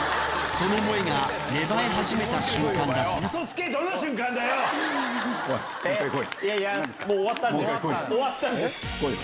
その思いが芽生え始めた瞬間だったおい！